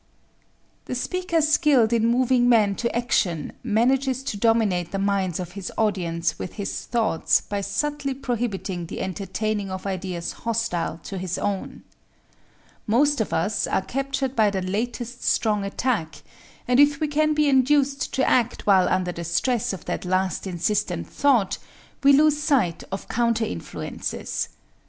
The speaker skilled in moving men to action manages to dominate the minds of his audience with his thoughts by subtly prohibiting the entertaining of ideas hostile to his own. Most of us are captured by the latest strong attack, and if we can be induced to act while under the stress of that last insistent thought, we lose sight of counter influences.